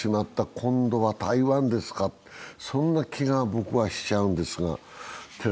今度は台湾ですか、そんな気が僕はしちゃうんですが。